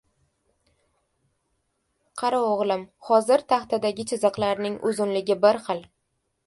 – Qara, oʻgʻlim, hozir taxtadagi chiziqlarning uzunligi bir xil.